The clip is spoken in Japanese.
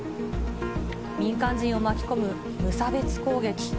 民間人を巻き込む無差別攻撃。